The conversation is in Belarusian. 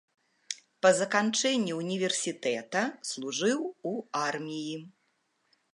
Па заканчэнні ўніверсітэта служыў у арміі.